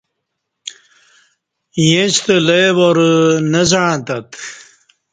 ییݩستہ لئی وار نہ زعݩتت